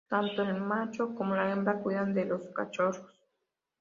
Tanto el macho como la hembra cuidan de los cachorros.